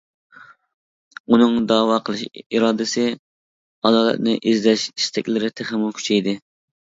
ئۇنىڭ دەۋا قىلىش ئىرادىسى، ئادالەتنى ئىزدەش ئىستەكلىرى تېخىمۇ كۈچەيدى.